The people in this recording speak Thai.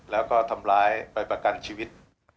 แล้วก็ทำร้ายไปประกันชีวิต